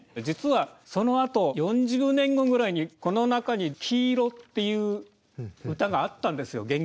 実はそのあと４０年後ぐらいにこの中に黄色っていう歌があったんですよ